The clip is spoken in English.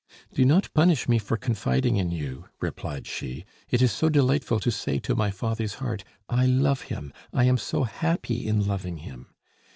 "Do not punish me for confiding in you," replied she. "It is so delightful to say to my father's heart, 'I love him! I am so happy in loving him!